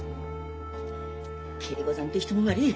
桂子さんて人も悪い。